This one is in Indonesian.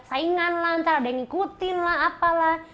saingan lah ntar ada yang ngikutin lah apalah